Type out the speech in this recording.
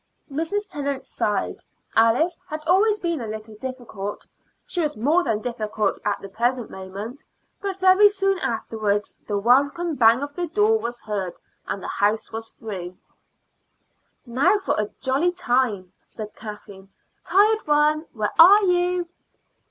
Mrs. Tennant sighed. Alice had always been a little difficult; she was more than difficult at the present moment. But very soon afterwards the welcome bang of the hall door was heard, and the house was free. "Now for a jolly time," said Kathleen. "Tired one, where are you?"